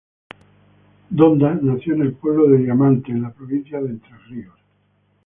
Donda nació en el pueblo de Diamante, en la provincia de Entre Ríos.